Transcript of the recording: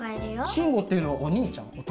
しんごっていうのはお兄ちゃん？弟？